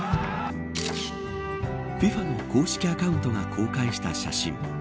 ＦＩＦＡの公式アカウントが公開した写真。